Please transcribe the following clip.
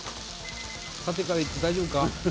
縦からいって大丈夫か？